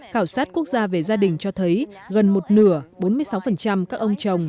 khảo sát quốc gia về gia đình cho thấy gần một nửa bốn mươi sáu các ông chồng